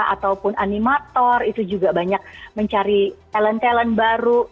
ataupun animator itu juga banyak mencari talent talent baru